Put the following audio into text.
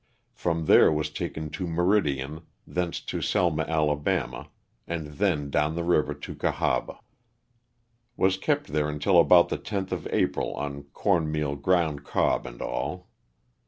From there was taken to Meridian, thence to Selma, Ala., and then down the river to Cahaba. Was kept there until about the 10th of April on corn meal, ground cob and all.